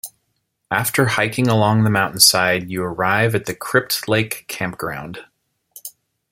After hiking along the mountain side, you arrive at the Crypt Lake Campground.